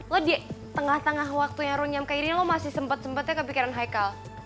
lo di tengah tengah waktunya runyam kayak gini lo masih sempet sempetnya kepikiran haikal